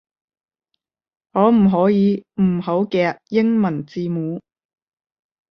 可唔可以唔好夾英文字母